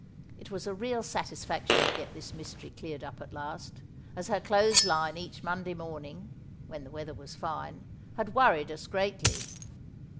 It was a real satisfaction to get this mystery cleared up at last, as her clothes line each Monday morning (when the weather was fine) had worried us greatly.